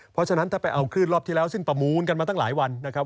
เพราะฉะนั้นถ้าไปเอาคลื่นรอบที่แล้วซึ่งประมูลกันมาตั้งหลายวันนะครับ